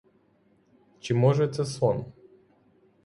Чи, може, це сон?